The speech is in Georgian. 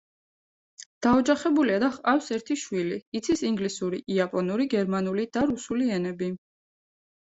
დაოჯახებულია და ჰყავს ერთი შვილი, იცის ინგლისური, იაპონური, გერმანული და რუსული ენები.